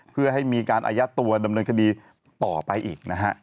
เพื่อให้มีการอายัดตัวดำเนินคดีต่อไปอีกนะฮะ